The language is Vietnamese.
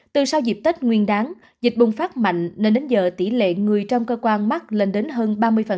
từ sau dịp tết nguyên đáng dịch bùng phát mạnh nên đến giờ tỷ lệ người trong cơ quan mắc lên đến hơn ba mươi